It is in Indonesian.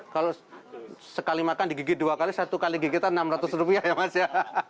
kalau sekali makan digigit dua kali satu kali gigitan rp enam ratus ya mas ya